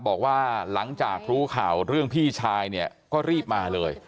บอกว่าหลังจากรู้ข่าวเรื่องพี่ชายเนี่ยก็รีบมาเลย